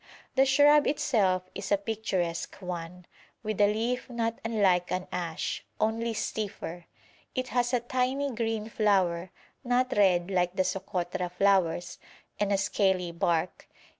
The shrub itself is a picturesque one, with a leaf not unlike an ash, only stiffer; it has a tiny green flower, not red like the Sokotra flowers, and a scaly bark.